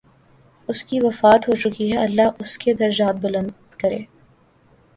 اس کی وفات ہو چکی ہے، اللہ اس کے درجات بلند کرے۔